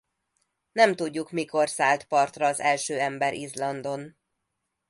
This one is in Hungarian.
Nem tudjuk mikor szállt partra az első ember Izlandon.